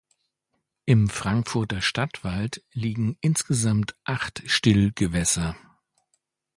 Im Frankfurter Stadtwald liegen insgesamt acht Stillgewässer.